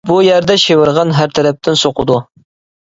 بۇ يەردە شىۋىرغان ھەر تەرەپتىن سوقىدۇ.